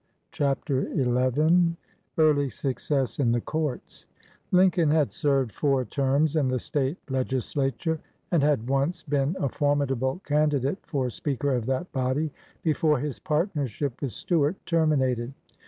103 XI EAELY SUCCESS IN THE COURTS " INCOLN had served four terms in the *■—* State legislature, and had once been a formidable candidate for speaker of that body, before his partnership with Stuart terminated.